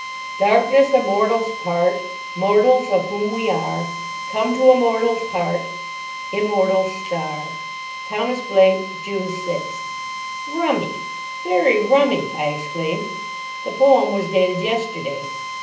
Darkness a mortal's part, Mortals of whom we are: Come to a mortal's heart, Immortal star. Thos. Blake. June 6th. "Rummy, very rummy," I exclaimed. The poem was dated yesterday.